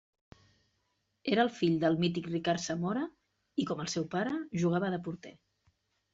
Era el fill del mític Ricard Zamora, i com el seu pare, jugava de porter.